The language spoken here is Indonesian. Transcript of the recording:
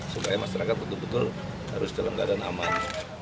supaya masyarakat betul betul harus dalam keadaan aman